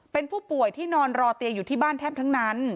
เป็นผู้ป่วยที่นอนรอเตียงอยู่ที่บ้านแทบทั้งนั้น